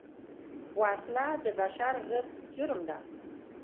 وسله د بشر ضد جرم ده